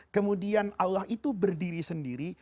kemudian allah itu berdiri sendiri